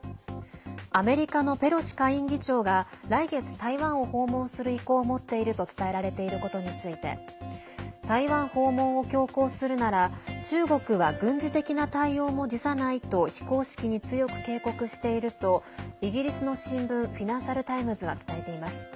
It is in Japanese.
アメリカのペロシ下院議長が来月、台湾を訪問する意向を持っていると伝えられていることについて台湾訪問を強行するなら中国は軍事的な対応も辞さないと非公式に強く警告しているとイギリスの新聞フィナンシャル・タイムズは伝えています。